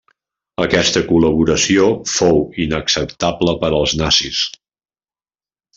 Aquesta col·laboració fou inacceptable per als nazis.